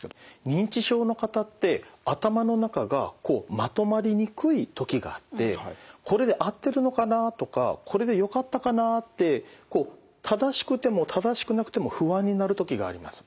認知症の方って頭の中がこうまとまりにくい時があってこれで合ってるのかなとかこれでよかったかなって正しくても正しくなくても不安になる時があります。